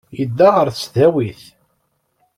Yedda ɣer tesdawit.